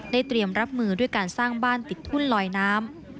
เตรียมรับมือด้วยการสร้างบ้านติดทุ่นลอยน้ำ